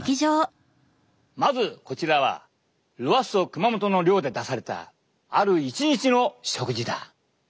まずこちらはロアッソ熊本の寮で出されたある一日の食事だ。